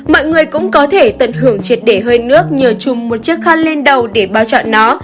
mọi người cũng có thể tận hưởng triệt để hơi nước nhờ chùm một chiếc khăn lên đầu để bao chọn nó